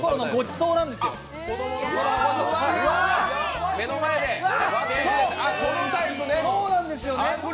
そうなんですよね。